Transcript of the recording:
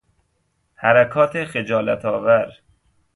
حرکات خجالت آور